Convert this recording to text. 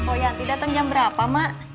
oh yang tidak datang jam berapa mak